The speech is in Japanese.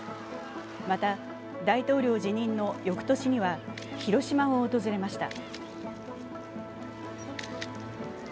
また、大統領辞任の翌年には、広島を訪れました。